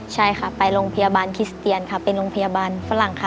ใช่ค่ะไปโรงพยาบาลคิสเตียนค่ะเป็นโรงพยาบาลฝรั่งค่ะ